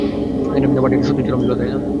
পার্টিটা সত্যিই চরম ছিলো, তাই না?